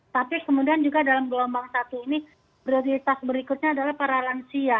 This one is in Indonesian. tapi kemudian juga dalam gelombang satu ini prioritas berikutnya adalah para lansia